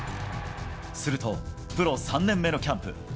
すると、プロ３年目のキャンプ。